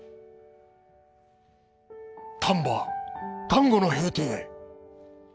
丹波・丹後の平定。